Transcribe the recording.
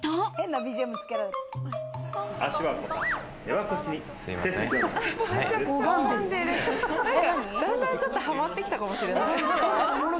だんだんちょっとハマってきたかもしれない。